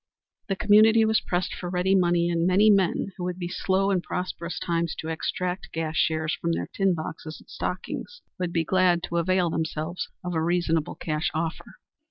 The community was pressed for ready money, and many men who would be slow in prosperous times to extract gas shares from their tin boxes and stockings would be glad to avail themselves of a reasonable cash offer.